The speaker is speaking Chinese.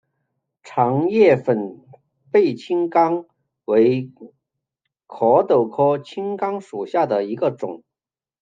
长叶粉背青冈为壳斗科青冈属下的一个种。